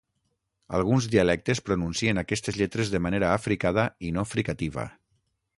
Alguns dialectes pronuncien aquestes lletres de manera africada i no fricativa.